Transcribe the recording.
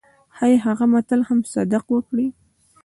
ښايي هغه متل هم صدق وکړي.